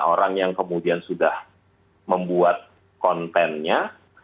orang yang kemudian sudah membuat kontennya